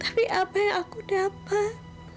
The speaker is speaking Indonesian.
tapi apa yang aku dapat